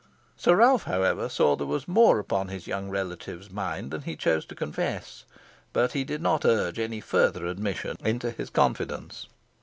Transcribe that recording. Sir Ralph, however, saw there was more upon his young relative's mind than he chose to confess, but he did not urge any further admission into his confidence.